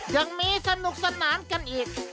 ยังมีสนุกสนานกันอีก